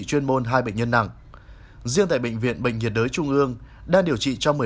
chuyên môn hai bệnh nhân nặng riêng tại bệnh viện bệnh nhiệt đới trung ương đang điều trị cho một mươi